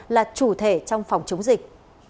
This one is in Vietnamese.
là chủ thể trong phòng chống dịch